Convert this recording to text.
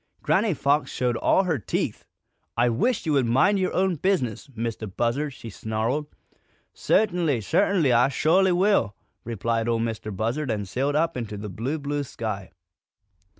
Granny Fox showed all her teeth. "I wish you would mind your own business, Mistah Buzzard!" she snarled. "Cert'nly, cert'nly, Ah sho'ly will!" replied Ol' Mistah Buzzard, and sailed up into the blue, blue sky.